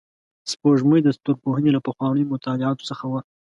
سپوږمۍ د ستورپوهنې له پخوانیو مطالعاتو څخه وه